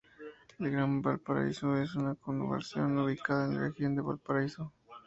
El Gran Valparaíso es una conurbación ubicada en la Región de Valparaíso.